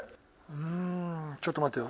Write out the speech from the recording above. うんちょっと待ってよ。